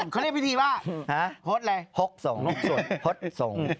เขาเรียกวิธีว่าฮกส่วนฮกส่วน